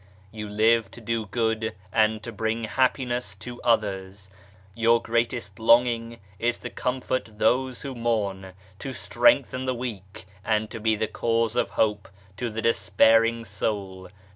You live to do good and to bring happiness to others. Your greatest longing is to comfort those who mourn, to strengthen the weak, and to be the cause of hope to the despairing soul.